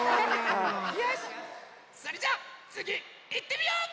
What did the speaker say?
よしそれじゃつぎいってみよう！